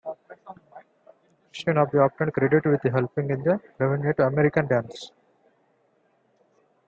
Christensen is often credited with helping to rejuvenate American dance.